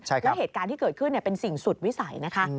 แล้วเหตุการณ์ที่เกิดขึ้นเป็นสิ่งสุดวิสัยนะคะ